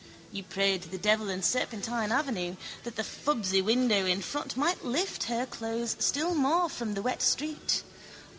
You prayed to the devil in Serpentine avenue that the fubsy widow in front might lift her clothes still more from the wet street.